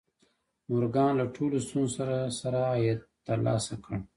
مورګان له ټولو ستونزو سره سره عاید ترلاسه کړ